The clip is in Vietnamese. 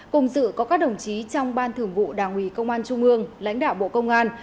cùng dự có các đồng chí trong ban thường vụ đảng ủy công an trung ương lãnh đạo bộ công an